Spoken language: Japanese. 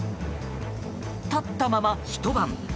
立ったまま、ひと晩。